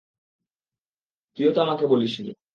তুইও তো আমাকে বলিস নি।